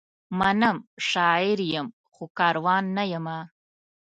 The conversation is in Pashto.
منم، شاعر یم؛ خو کاروان نه یمه